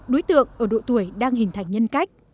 đối tượng ở độ tuổi đang hình thành nhân cách